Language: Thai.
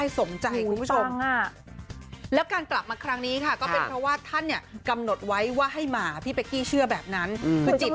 ซึ่งการพิศัพท์